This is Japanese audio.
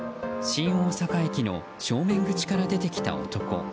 新大阪駅の正面口から出てきた男。